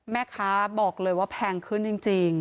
แม่ค้าบอกเลยว่าแพงขึ้นจริง